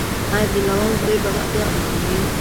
ایا د لونګ زوی به ریښتیا وایي؟